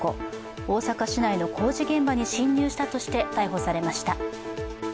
大阪市内の工事現場に侵入したとして逮捕されました。